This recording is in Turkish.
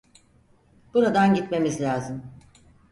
Buradan gitmemiz lazım.